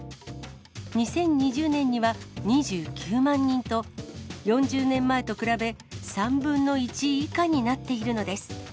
２０２０年には２９万人と、４０年前と比べ、３分の１以下になっているのです。